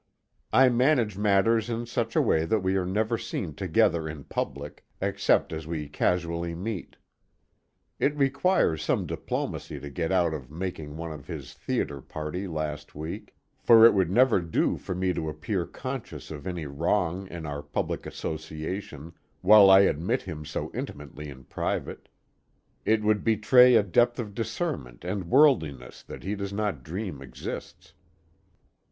I manage matters in such a way that we are never seen together in public, except as we casually meet. It required some diplomacy to get out of making one of his theatre party last week, for it would never do for me to appear conscious of any wrong in our public association while I admit him so intimately in private; it would betray a depth of discernment and worldliness that he does not dream exists.